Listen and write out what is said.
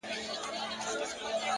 د زړه له درده درته وايمه دا _